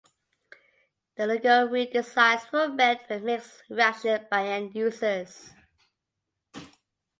The logo redesigns were met with mixed reactions by end users.